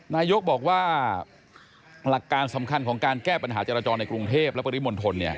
นายกบอกว่าหลักการสำคัญของการแก้ปัญหาจราจรในกรุงเทพและปริมณฑล